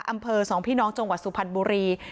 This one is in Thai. อำเภอสองพี่น้องจังหวัดสุพรรณบุรี